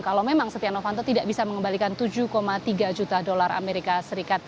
kalau memang setia novanto tidak bisa mengembalikan tujuh tiga juta dolar amerika serikat